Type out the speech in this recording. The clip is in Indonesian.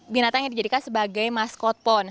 dia juga diberikan sebagai maskot pon